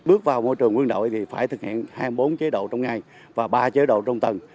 bước vào môi trường quân đội thì phải thực hiện hai mươi bốn chế độ trong ngày và ba chế độ trong tầng